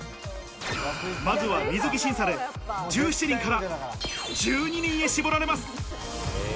まずは水着審査で１７人から１２人へ絞られます。